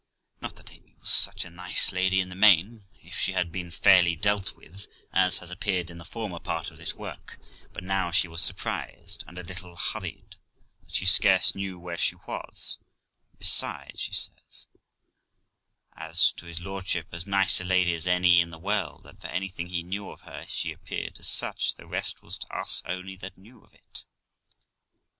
Not that Amy was such a nice lady in the main, if she had been fairly dealt with, as has appeared in the former part of this work ; but now she was surprised, and a little hurried, that she scarce knew where she was; and besides, she was, as to his lordship, as nice a lady as any in the world, and, for anything he knew of her, she appeared as such. The rest was to us only that knew of it.